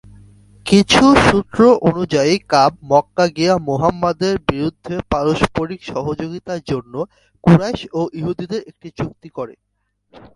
কিছু সূত্র অনুযায়ী কাব মক্কা গিয়ে মুহাম্মাদের বিরুদ্ধে পারস্পরিক সহযোগিতার জন্য কুরাইশ ও ইহুদিদের একটি চুক্তি করে।